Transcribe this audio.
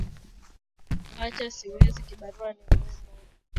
kukuwacha siwezi kibarua ni kigumu